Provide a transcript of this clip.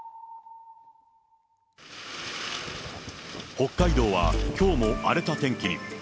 北海道は、きょうも荒れた天気に。